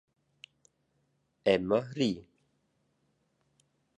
Emma ri.